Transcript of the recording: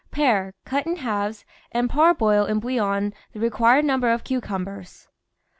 Pare, cut in halves, and parboil in bouillon the required number bi cucumbers.